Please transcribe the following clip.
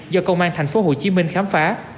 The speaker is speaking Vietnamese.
do công an tp hcm khám phá